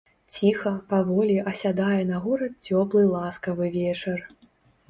Ціха, паволі асядае на горад цёплы ласкавы вечар.